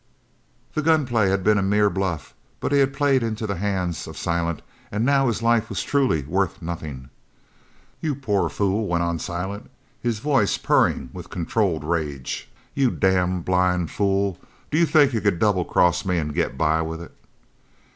The gun play had been a mere bluff, but he had played into the hands of Silent, and now his life was truly worth nothing. "You poor fool," went on Silent, his voice purring with controlled rage. "You damn blind fool! D'you think you could double cross me an' get by with it?"